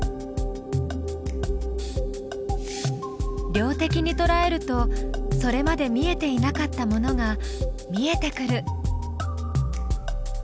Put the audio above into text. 量的にとらえるとそれまで見えていなかったものが見えてくる。